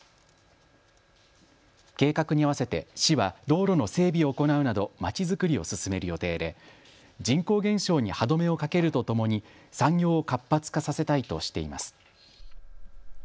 計画にあわせて市は道路の整備を行うなどまちづくりを進める予定で人口減少に歯止めをかけるとともに産業を活発化させたいとしています。